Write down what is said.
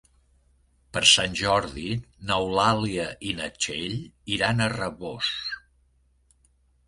Per Sant Jordi n'Eulàlia i na Txell iran a Rabós.